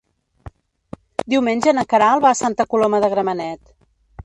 Diumenge na Queralt va a Santa Coloma de Gramenet.